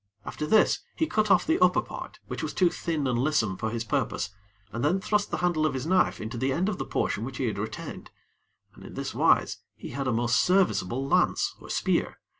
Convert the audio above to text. After this, he cut off the upper part, which was too thin and lissome for his purpose, and then thrust the handle of his knife into the end of the portion which he had retained, and in this wise he had a most serviceable lance or spear.